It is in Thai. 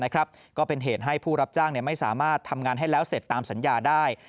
ก็เป็นเหตุให้ผู้รับจ้างไม่สามารถทำงานให้แล้วเสร็จตามสัญญาได้